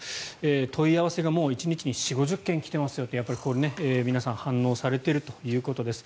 問い合わせがもう１日に４０５０件来てますよと皆さん反応されているということです。